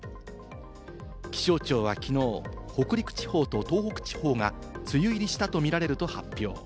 気象庁はきのう、北陸地方と東北地方が梅雨入りしたとみられると発表。